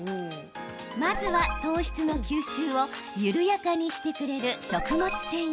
まずは糖質の吸収を緩やかにしてくれる食物繊維。